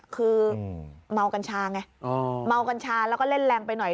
คือเมากัญชาไงเมากัญชาแล้วก็เล่นแรงไปหน่อย